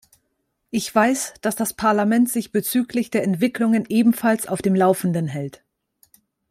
Ich weiß, dass das Parlament sich bezüglich der Entwicklungen ebenfalls auf dem Laufenden hält.